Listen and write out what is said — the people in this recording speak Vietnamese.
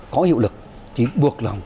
có hiệu lực thì buộc lòng